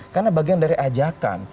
karena bagian dari ajakan